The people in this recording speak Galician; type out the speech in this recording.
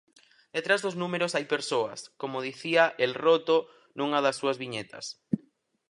Detrás dos números hai persoas, como dicía El Roto nunha das súas viñetas.